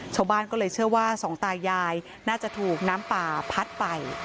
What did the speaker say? ชาวบ้านก็เลยเชื่อว่าสองตายายน่าจะถูกน้ำป่าพัดไป